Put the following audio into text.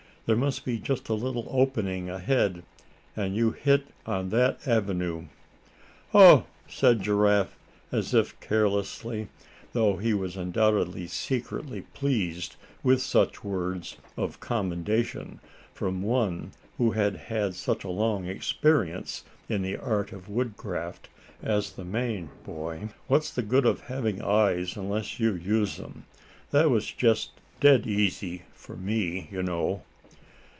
There must be just a little opening ahead, and you hit on that avenue." "Oh!" said Giraffe, as if carelessly, though he was undoubtedly secretly pleased with such words of commendation from one who had had such long experience in the art of woodcraft as the Maine boy; "what's the good of having eyes unless you use 'em? That was just dead easy for me, you know."